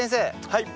はい。